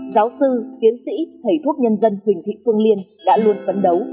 giáo sư tiến sĩ thầy thuốc nhân dân huỳnh thị phương liên đã luôn phấn đấu